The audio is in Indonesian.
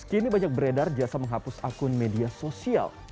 kini banyak beredar jasa menghapus akun media sosial